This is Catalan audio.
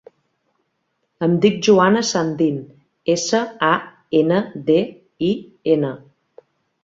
Em dic Joana Sandin: essa, a, ena, de, i, ena.